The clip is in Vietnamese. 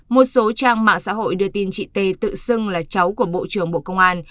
một số trang mạng xã hội đưa tin chị t tự xưng là cháu của bộ trưởng bộ công an